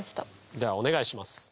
ではお願いします。